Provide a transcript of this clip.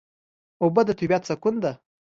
اوبه د طبیعت سکون ده.